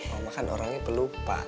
mama kan orangnya pelupa